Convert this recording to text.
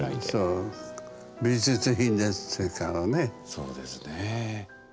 そうですねえ。